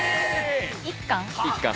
１貫？